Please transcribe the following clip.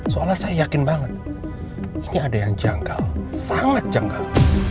soalnya saya yakin banget ini ada yang janggal sangat janggal